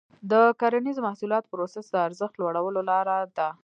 د کرنیزو محصولاتو پروسس د ارزښت لوړولو لاره ده.